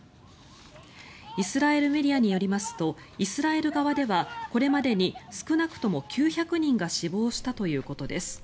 イスラエルメディアによりますとイスラエル側ではこれまでに少なくとも９００人が死亡したということです。